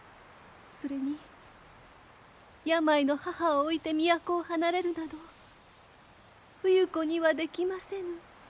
それに病の母を置いて都を離れるなど冬子にはできませぬ。